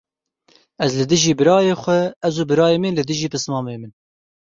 Ez li dijî birayê xwe, ez û birayê min li dijî pismamê min.